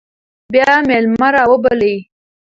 بیا میلمه راوبلئ.